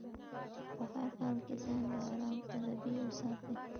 په هر حال کې ځان له ارام طلبي وساتي.